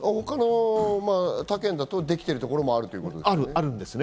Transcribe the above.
他県だとできているところもあるということですね。